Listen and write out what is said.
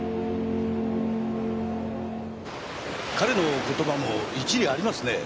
彼の言葉も一理ありますね。